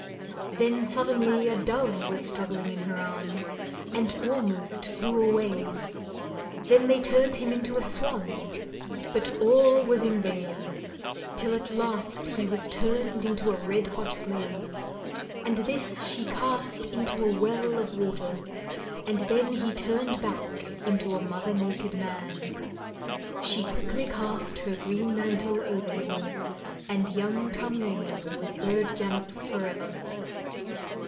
Then suddenly a dove was struggling in her arms, and almost flew away. Then they turned him into a swan, but all was in vain, till at last he was turned into a red hot glaive, and this she cast into a well of water and then he turned back into a mother naked man. She quickly cast her green mantle over him, and young Tamlane was Burd Janet's for ever.